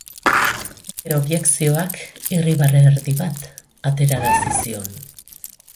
Nire objekzioak irribarre erdi bat aterarazi zion.